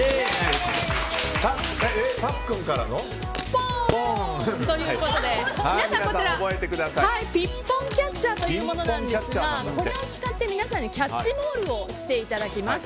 ポーンということでこちらピンポンキャッチャーというものなんですがこれを使って皆さんにキャッチボールしていただきます。